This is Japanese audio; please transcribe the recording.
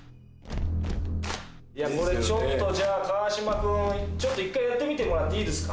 これちょっとじゃあ川島君一回やってみてもらっていいですか？